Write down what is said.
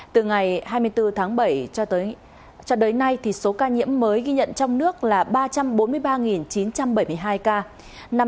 từ ngày hai mươi bốn tháng bảy cho đến nay số ca nhiễm mới ghi nhận trong nước là ba trăm bốn mươi ba chín trăm bảy mươi hai ca